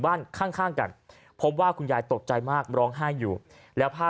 บ้านข้างกันพบว่าคุณยายตกใจมากร้องไห้อยู่แล้วผ้า